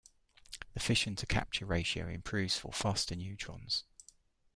The fission-to-capture ratio improves for faster neutrons.